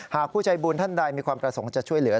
ผู้ใจบุญท่านใดมีความประสงค์จะช่วยเหลือ